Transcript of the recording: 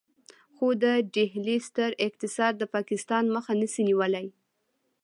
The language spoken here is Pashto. خو د ډهلي ستر اقتصاد د پاکستان مخه نشي نيولای.